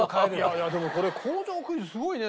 いやいやでもこれ工場クイズすごいね。